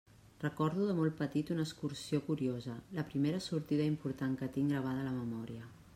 Recordo de molt petit una excursió curiosa, la primera sortida important que tinc gravada a la memòria.